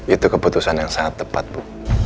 itu keputusan yang sangat tepat bu